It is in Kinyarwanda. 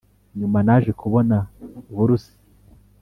nyuma naje kubona burusi